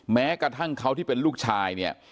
แม้กระทั่งเขาที่เป็นลูกชายเนี่ย